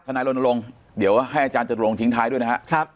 นายรณรงค์เดี๋ยวให้อาจารย์จรงทิ้งท้ายด้วยนะครับ